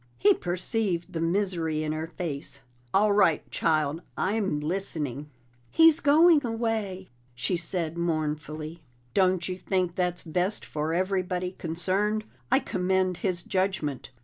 He perceived the misery in her face. "All right, child; I'm listening." "He's going away," she said mournfully. "Don't you think that's best for everybody concerned? I commend his judgment."